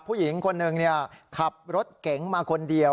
ผู้หญิงคนหนึ่งขับรถเก๋งมาคนเดียว